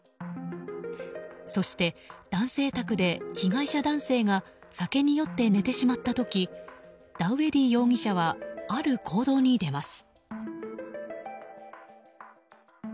そして、男性宅で被害者男性が酒に酔って寝てしまった時ダウエディ容疑者はある行動に出ます。